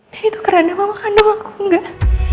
dan itu karena mama kandung aku nggak